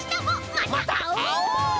またあおう！